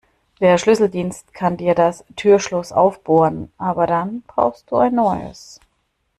Der Schlüsseldienst kann dir das Türschloss aufbohren, aber dann brauchst du ein neues.